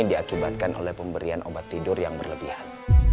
diakibatkan oleh pemberian obat tidur yang berlebihan